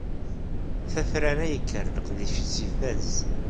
Tafrara yekker leqdic-is ifaz.